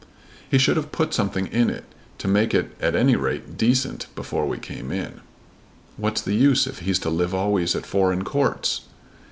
"He should have put something in it to make it at any rate decent before we came in." "What's the use if he's to live always at foreign courts?"